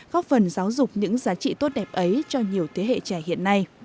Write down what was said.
góp phần giáo dục những giá trị tốt đẹp ấy cho nhiều thế hệ trẻ hiện nay